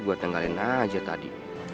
gua tinggalin aja tadi